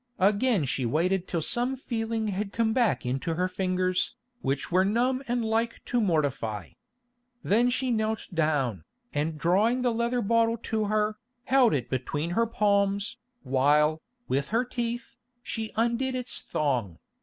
Again she waited till some feeling had come back into her fingers, which were numb and like to mortify. Then she knelt down, and drawing the leather bottle to her, held it between her palms, while, with her teeth, she undid its thong.